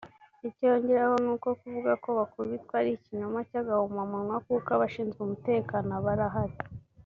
Icyo yongeraho ni uko kuvuga ko baakubitwa ari ikinyoma cy’agahomamunwa kuko abashinzwe umutekano abarahari